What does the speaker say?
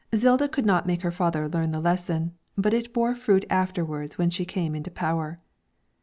Zilda could not make her father learn the lesson, but it bore fruit afterwards when she came into power.